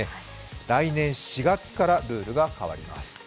来年４月からルールが変わります。